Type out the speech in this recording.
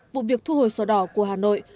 vụ việc thu hồi sổ đỏ của hà nội